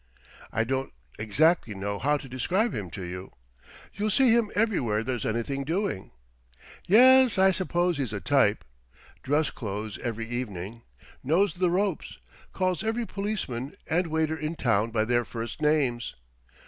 I don't exactly know how to describe him to you. You'll see him everywhere there's anything doing. Yes, I suppose he's a type. Dress clothes every evening; knows the ropes; calls every policeman and waiter in town by their first names.